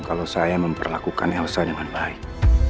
kalau saya memperlakukan elsa dengan baik